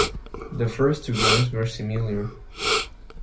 The first two games were similar.